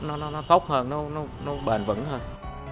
nó tốt hơn nó bền vững hơn